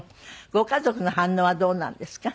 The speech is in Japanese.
ご家族の反応はどうなんですか？